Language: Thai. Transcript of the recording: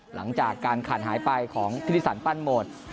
หลังจากการขาดหายไปของธิริสันปั้นโหมด